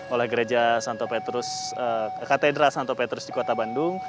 oleh katedra santo petrus di kota bandung